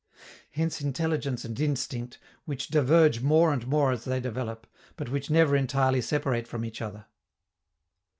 Hence intelligence and instinct, which diverge more and more as they develop, but which never entirely separate from each other.